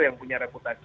yang punya reputasi